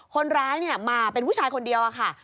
คนร้ายมาเป็นผู้ชายคนเดียวค่ะ